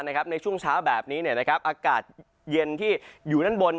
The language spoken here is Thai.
ในช่วงเช้าแบบนี้อากาศเย็นที่อยู่ด้านบน